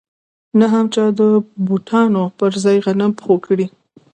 نه هم چا د بوټانو پر ځای غنم په پښو کړي